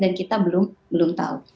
dan kita belum tahu